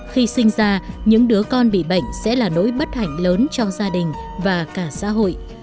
khi sinh ra những đứa con bị bệnh sẽ là nỗi bất hạnh lớn cho gia đình và cả xã hội